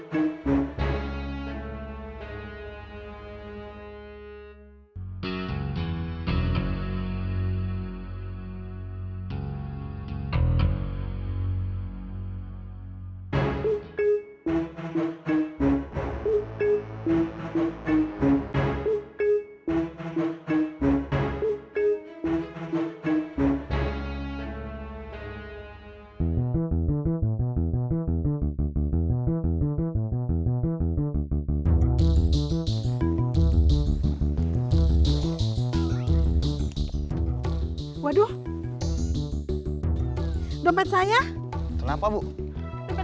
yang dipoto cuma mukanya aja